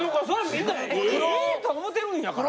みんなも「え！？」と思てるんやから。